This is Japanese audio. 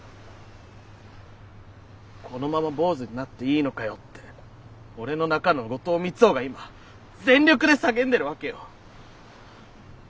このまま坊主になっていいのかよって俺の中の後藤三生が今全力で叫んでるわげよ。